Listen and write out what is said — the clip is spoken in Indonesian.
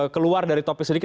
keluar dari topik sedikit